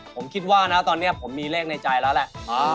ผมคิดว่านะตอนนี้ผมมีเลขในใจแล้วแหละ